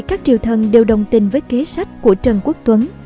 các triều thần đều đồng tình với kế sách của trần quốc tuấn